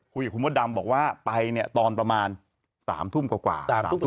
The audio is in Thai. คุยกับคุณมดดำบอกว่าไปเนี่ยตอนประมาณ๓ทุ่มกว่า